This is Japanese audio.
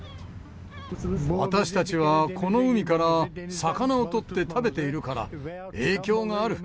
私たちは、この海から魚を取って食べているから、影響がある。